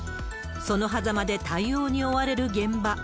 そのはざまで対応に追われる現場。